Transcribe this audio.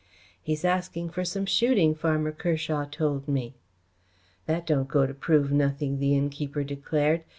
"He is asking for some shooting, Farmer Kershaw told me." "That don't go to prove nothing," the innkeeper declared.